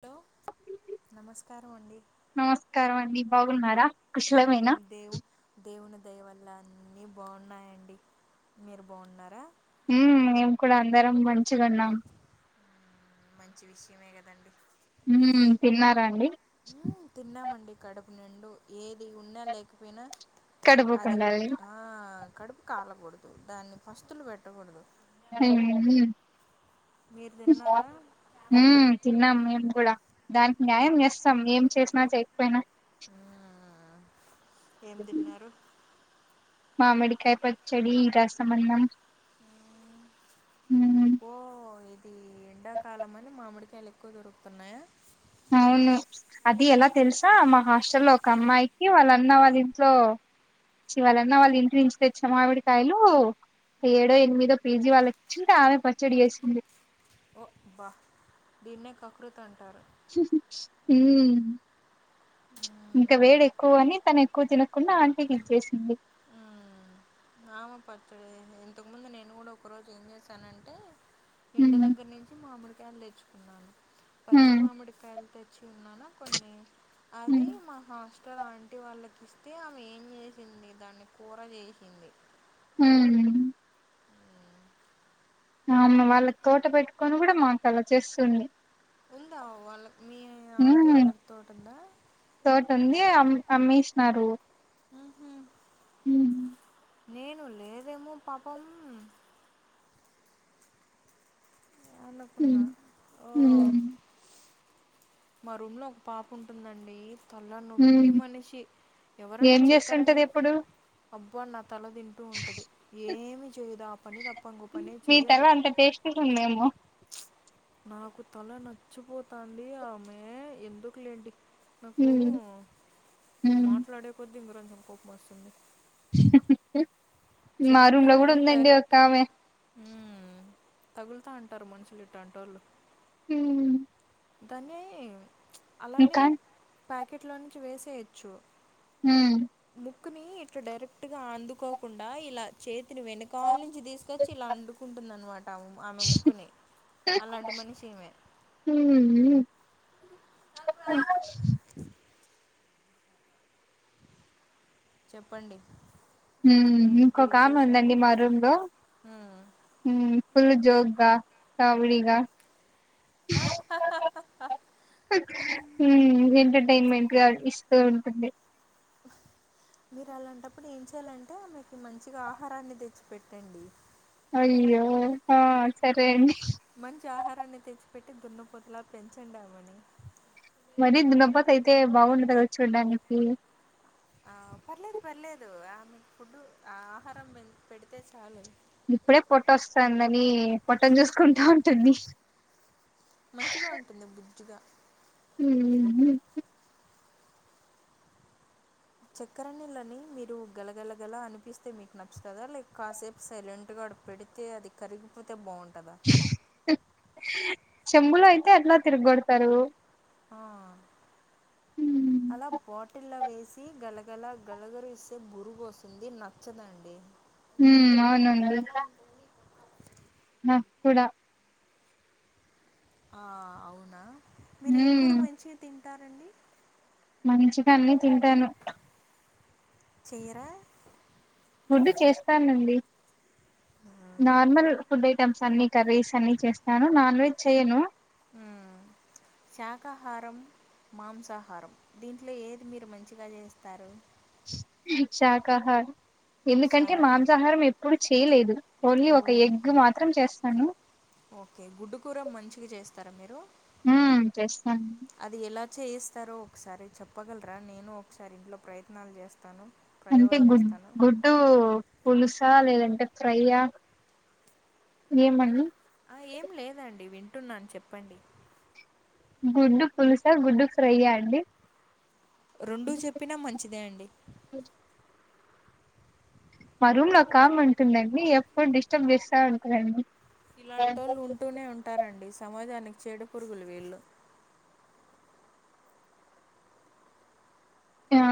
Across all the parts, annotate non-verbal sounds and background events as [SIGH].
Do నమస్కారం అండి బాగున్నారా కుశలమేనా దేవు దేవుని దయవల్ల నేన్ బాగున్నానండీ మీరు బాగున్నారా మ్మ్ మేమ్ కూడా అందరం మంచిగున్నాం మంచి విషయమే కదండి మ్మ్ తిన్నారా అండి పున్నెండు ఏది ఉన్నా లేకపోయినా అదిప్ కడుపుకుండాలి ఆ కడుప్ కాలకూడదు దాన్ని ఫస్తులు పెట్టకూడదు ఉమ్ మీరు తిన్నారా మ్ తిన్నాం మేం గూడ దానికి న్యాయం చేస్తాం ఏం చేసినా చేయకపోయిన మ్మ్ ఆ ఏం తిన్నారు మామిడికాయ పచ్చడి రసమన్నం మ్మ్ ఉమ్ పో ఎగ్ ఈ ఎండాకాలం అని మామిడికాయల్ ఎక్కువ దొరుకుతున్నాయా ఉన్ను అది ఎలా తెలుసా మా హాస్టల్లో లో ఒక అమ్మాయికి వాళ్ళ అన్న వాళ్ళ ఇంట్లో చివలన్నా వాళ్ళు ఇంటి నుంచి తెచ్చా మావిడికాయలు ఏడో ఎనిమిదో పీజీ వాళ్ళకిచ్చింది ఆమె పచ్చడి చేసింది బ దీన్నే కకృత్ అంటారు ఇంకా వేడెక్కువ అని తను ఎక్కువ తినకుండా ఆంటికి ఇచ్చేసింది ఆమ పచ్చడి ఇంతకు ముందు నేను కూడా ఒక రోజు ఏం చేశానంటే ఇంటి హ్మ్ దగ్గర నుంచి మామిడికాయలు తెచ్చుకున్నాను పచ్చి హ్మ్ మామిడికాయలు తెచ్చి ఉన్నానా కొన్ని అది హ్మ్ మా హాస్టల్ ఆంటి వాళ్ళకి ఇస్తే ఆమె ఏం చేసింది దాన్ని కూర చేసింది అ అమ వాళ్ళకి తోట పెట్టుకొని కూడా మాకు అలా చేస్తుంది ఉందా వాళ్ళకు తోట ఉంది అమ్ అమ్మీసినారు ఊహూ హ్మ్ నేను లేదేమో పాపం అని అనుకున్నా హ్మ్ ఆ హ్మ్ మా రూమ్ లో ఒక పాప ఉంటుందండి తల్ల నొప్పి హ్మ్ మనిషి ఎవరన్నా ఏం చెక్కరండి చేస్తుంటది ఇప్పుడు అబ్బో నా తల తింటూ ఉంటది ఏమి చేయుదా మీ తల అంత టేస్ట్ ఉందేమో నాకు తల నచ్చిపోతాండి ఆమె ఎందుకు లేండి నాకు హ్మ్ హ్మ్ మాట్లాడే కొద్దీ ఇంకా కొంచెం కోపం వస్తుంది మా రూమ్ లో కూడా చక్కెరని ఉందండి ఒక డైరెక్ట్గా ఆమె తగులుతా ఉంటారు మనుషులు ఇట్టాంటోళ్ళు హ్మ్ దాన్ని అలానే ఇంకా ప్యాకెట్ లో నుంచి వేసేయచ్చు హ్మ్ ముక్కుని ఇట్లా డైరెక్ట్ గా అందుకోకుండా ఇలా చేతి ఇ వెనకాల నుంచి తీసుకొచ్చి ఇలా అండుకుంటుందనమాట ఆమె ముక్కుని అలాంటి మనిషి ఈమె ఊ చెప్పండి ఏంటి ఇంకొక ఆమె విశేషాలు? ఉందండి మా రూమ్ లో హ్మ్. ఫుల్ జో కామెడీ గా హ్మ్ ఎంటర్టైన్మెంట్ ఇస్తూ ఉంటుంది [UNINTELLIGIBLE] మీరు అలాంటప్పుడు ఏం చెయాలంటే మీకు మంచిగా ఆహారాన్ని తెచ్చి పెట్టండి అయ్యో సరే అండి మంచి ఆహారాన్ని తెచ్చిపెట్టి దున్నపోతులా పెంచండామని మరి దన్నప్పత అయితే బాగుండదు గా దా చూడ్డానికి ఆ పర్లేదు పర్లేదు ఆ మీకు ఫుడ్ ఆ ఆహారం పెడితే చాలు ఇప్పుడే పొట్ట వస్తుందని పొట్టం చూసుకుంటా ఉంటుంది పట్టిగా ఊహూ చక్కరంనిళ్ళని మీరు గలగలగల అనిపిస్తే మీకు నచ్చుతదా లేదా కాసేపు సైలెంట్ గా అక్కడ పెడితే అది కరిగిపోతే బాగుంటుంది చెంబులో అయితే అట్లా తిరగొడతారు ఆ ఉమ్ అలా బాటిల్లో వేసి గలగల గలగరు ఇస్తే బురుగు వస్తుంది నచ్చదండి హ అవునంది ఆ కుడా ఆ అవునా మీరు ఏ ఉమ్ కూర మంచిగా తింటారండి మంచిగా అన్నిీ తింటాను చిరా ఫుడ్ చేస్తానండి నార్మల్ ఫుడ్ ఐటమ్స్ అన్ని కర్రీస్ అన్ని చేస్తాను నాన్ వెజ్ చేయను అ శాకాహారం మాంసాహారం దీంట్లో ఏది మీరు మంచిగా చేస్తారు శాకాహారం ఎందుకంటే శాక మాంసాహారం ఎప్పుడు చేయలేదు ఓలీ ఓ ఒక ఎగ్ మాత్రం చేస్తాను ఓకే గుడ్డు కూూర మంచిగా చేస్తారా మీరు ఉమ్ చేస్తాను అది ఎలా చేయిస్తారో ఒకసారి చెప్పగలరా నేను ఒకసారి ఇంట్లో ప్రయత్నాలు చేస్తాను అంటే ప్రయోగాలు గుడ్ చేస్తాను గుడ్డు పులుసు చ లేదంటే ఫ్రైయా ఏమడి ఆ ఏం లేదండి వింటున్నాను చెప్పండి గుడ్డు పులుసా గుడ్డు ఫ్రైయండి రెండడు చెప్పినా మంచిదే అండి మా రూమ్ నా కామ్ ఉంటుందండి ఎప్పుడు డిస్టర్బ్ చేస్తా ఉంటారంండి ఇలాంటోళ్ళు ఉంటూనే ఉంటారండి సమాజానికి చేడ పురుగులు వీళ్ళు ఆ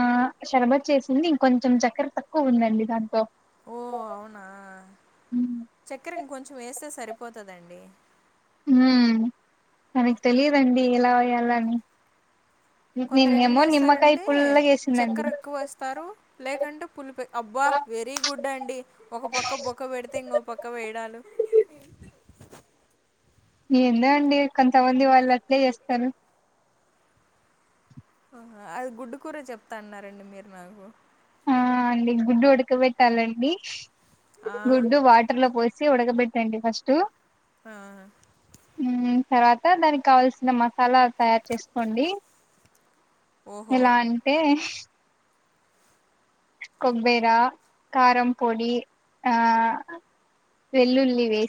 షరాబత్ చేసింది ఇంకొంచెం చక్కర తక్కువ ఉందండి దాంంతో ఓ అవునా హ చక్కెరంక కొంచెం వేస్తే సరిపోతుదండి హ మనకి తెలిదండి ఎలా వ్యాలని కొందరు ఎట్లు చేస్తారంటే చక్కెర పుల్లగేసిందండి ఎక్కువ వేస్తారు లేకంటే పులిపో అబ్బా వెరీ గుడ్ అండి ఒక పక్క బొక్క పెడితే ఇంకో పక్క వేయడాలు ఎందు అండి కొంతమంది వాళ్ళు అట్లే చేస్తారు ఆ అది గుడ్డు కూర చెప్తా అన్నారండి మీరు నాకు ఆ అండి గుడ్డు ఉడకబెట్టాలండి ఆ! గుడ్డు వాటర్ లో పో ఒడగబట్టండి ఫస్ట్టు ఆ తర్వాత దానికి కావాల్సిన మసాలా తయారు చేసుకోండి ఓహో! ఎలా అంటే కొబ్బేరా కారం పొడి ఆ వెల్లుల్లిి వే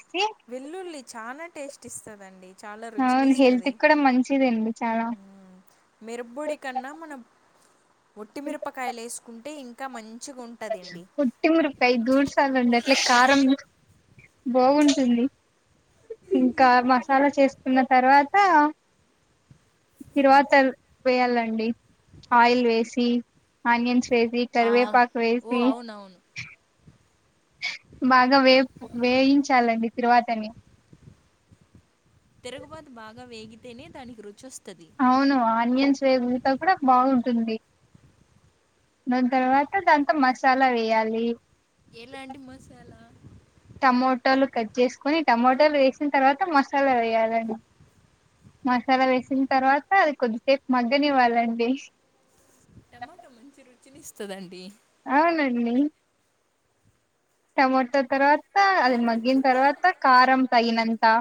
వెల్లుల్లి చాలా టేస్ట్ ఇస్తదండి చాలా అవును హెల్త్ రుచినిస్తుది కూడా మంచిదండి చాలా మెరబొడి కన్నా మనం ఒట్టిమిరపకాయలు వేసుకుంటే ఇంకా మంచి పుట్టి మురుపాై దూడు సాల ఉంది అట్ల కారం బాగుంటుంది ఇంకా మసాలా చేసుకున్న తర్వాత తిరువాతల్ వేయాలండి ఆయిల్ వేసి ఆనియన్స్ వేసి ఆ! కరివేపాకు ఓ వేసి అవునవును. బాగా వే వేయించాలండి తిరువాతని తిరుగుబతి బాగా వేగితేనే దానికి రుచి వస్ అవును ఆనియన్స్ వేగుతో కూడా బాగుంటుంది దాని తర్వాత దాంతో మసాలా వేయాలి ఇ ఎలాంటి మసాలా టమోటలు కట్ జేసుకుని టమోటా లు వేసిన తర్వాత మసాలా వేయాలండి మసాలా వేసిన తర్వాత అది కొద్దిసేపు మగ్గని ఇవ్వాలండి టమాటా మంచి రుచిని ఇస్తదండి ఆ నన్నీ టమాట తర్వా అది మగ్గిన తర్వాత కారం తగినంతా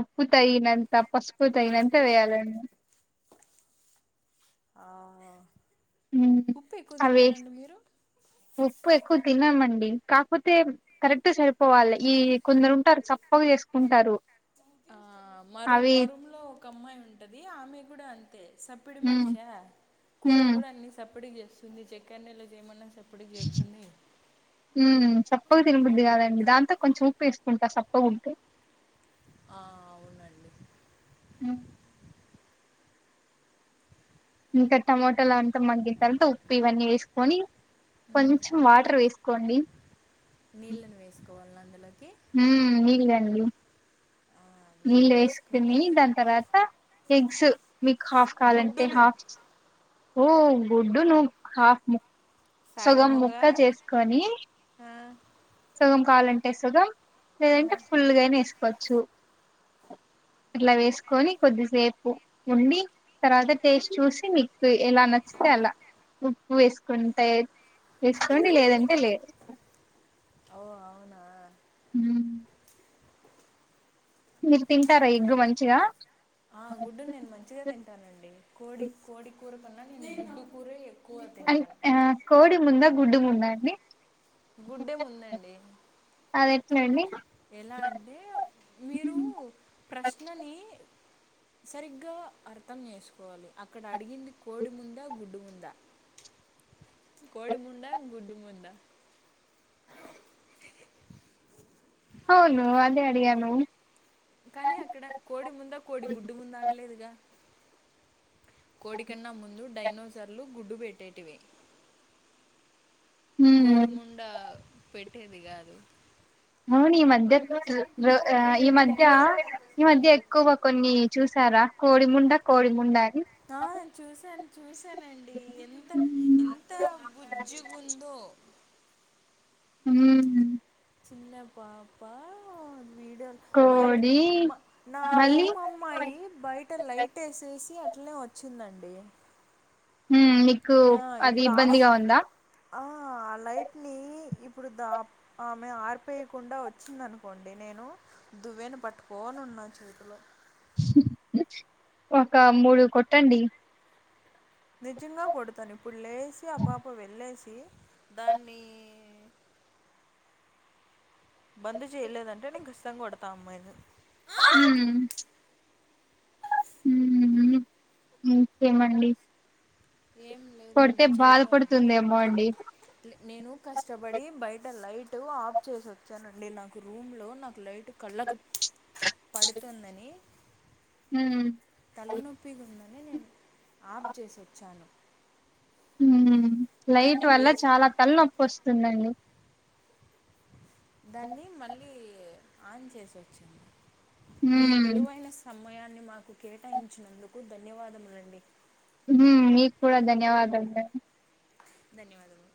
ఉప్పు తగినంత పసుపు తగినంత వేయాలండి ఆ! ఉహు ఉప్పెక్కువ అవె తింటారండి మీరు? ఉప్పు ఎక్కు తిన్నామండి కాపోతే కరెక్ట్ సరిపోవాలి ఈ కొందరు ఉంటారు చప్పగా చేసుకుంటారు ఆ మరు అవి మరుంలో ఒక అమ్మాయి ఉంటది ఆమె కూడా అంతే సప్పిడి ఉమ్ మనిషా కూరలు ఉమ్ కూడా అన్ని సప్పడి చేస్ సంది చెక్కర్ నెలో జేయమన్నా ఉమ్ పప్పు తినబుద్ది కాదండి దాంతో కొంచెం ఉప్పు వేసుకుంటా సప్పగ ఉంటే ఆ అవునండి అ ఇంకా టమాటలు అంతా మగ్గిన తర్వాత ఉప్పు ఇవన్నీ వేసుకొని కొంచెం వాటర్ వేసుకోండి నీళ్లను వేసు హు నీల్ అండి ఆ నీళ్ళు నిల్ వేసుకొని వేస్కొని దాని తరువాత ఎగ్స్ మీకు హాఫ్ కావాలంటే గుడ్డును హాఫ్ ఓ గుడ్డును హాఫ్ ము సగం ముక్క సగముగా చేసుకొని ఆ సగం కావాలంటే సుగం ఆ లేదంటే ఫుల్గానే వేసుకోవచ్చు అట్లా వేసుకొని కొద్దిసేపు ఉండి తర్వాత టేస్ట్ చూసి మీకు ఎలా నచ్చితే అలా ఉప్పు వేసుకుంటాయి తీసుకోండి లేదంటే లేదు ఓ అవునా హ మీరు తింటారా ఎగ్గు మంచిగా ఆ గుడ్డు నేను మంచిగా తింటానండి కోడి కోడి కూర కన్నా నేను గుడ్డు కూర అం ఆ కోడి ముంద గుడ్డు ముంద అండి గుడ్డే ముందండి అది ఎట్లా అండి ఎలా అంటే మీరు ప్రశ్నని సరిగ్గా అర్థం చేసుకోవాలి అక్కడ అడిగింది కోడి ముందా గుడ్డు ముం ద కోడి ముందా గుడ్డు ముందా అవును అదే అడిగాను కానీ అక్కడ కోడి ముందా కోడి గుడ్డు ముందా అనలేదుగా కోడికన్నా ముందు డైనోసార్లు గుడ్డు పెట్టేటివి హ్మ్ కోడి ముండా పెట్టేది కాదు అవును ఈ మధ్య ఈ మధ్య ఈ మధ్య ఎక్కువ గ కొన్ని చూసారా కోడిముండ కోడిముండ అని ఆ చూసాను చూసానండి ఎంత ఎంత బుజ్జుగుందో మ్ చిన్న పాపా వీడియోలు బయట కోడి మా నా మళ్ళీ రూమ్ అమ్మాయి బయట లైట్ ఏసేసి అట్నే వచ్చిందండి ఉమ్ మీకు ఆ అది ఇప్పుడు ఆఫ్ ఇబ్బందిగా ఉందా ఆ లైట్ నీ ఇప్పు డు ద ఆమె ఆరిపేయకుండా వచ్చింది అనుకోండి నేను దువ్వెను పట్టుకోని ఉన్నా చేతిలో ఒక మూడు కొట్టండి నిజంగా దాన్నీ బంద్ చేయలేదంటే నేను ఖచ్చితంగా కొడతా ఆ అమ్మాయిని మ్ మ్ ఇంకేమండి ఏం కొడితే లేదండి చెప్పాలి బాధపడుతుందేమో అండి నేను కష్టపడి బయట లైట్ ఆఫ్ చేసి వచ్చానండి నాకు రూమ్ లో నాకు లైట్ కళ్ళకు పడుతుందని మ్ తలనొప్పి గుంద ఆఫ్ చేసి వచ్చాను మ్ లైట్ దాన్ని వల్ల వేసి చాలా తల నొప్పి వస్తుందండి దాన్ని మళ్ళీ ఆన్ చేసొచ్చింది మీ ఉమ్ విలువైన సమయాన్ని మాకు కేటాయించినందుకు ధన్యవాదములండి మ్ మీ క్కూడా ధన్యవాదములండి ధన్యవాదములు